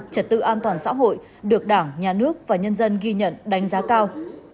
trật tự an toàn xã hội được đảng nhà nước và nhân dân ghi nhận đánh giá cao